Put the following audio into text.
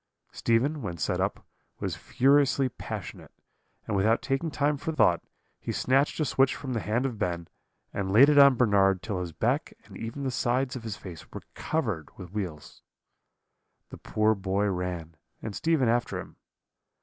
"Stephen, when set up, was furiously passionate, and without taking time for thought, he snatched a switch from the hand of Ben, and laid it on Bernard till his back and even the sides of his face were covered with wheals. The poor boy ran, and Stephen after him.